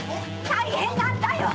大変なんだよ‼